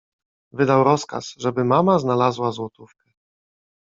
Wydał rozkaz, żeby mama znalazła złotówkę.